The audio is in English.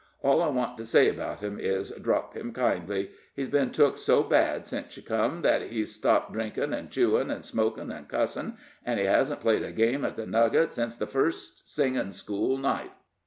All I want to say 'bout him is, drop him kindly. He's been took so bad sence you come, that he's stopped drinkin' an' chewin' an' smokin' an' cussin', an' he hasn't played a game at The Nugget sence the first singin' school night.